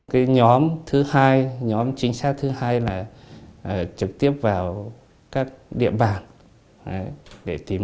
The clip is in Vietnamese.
đó là những luận điệu